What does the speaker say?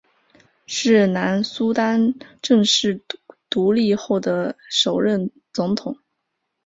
是南苏丹正式独立后的首任总统。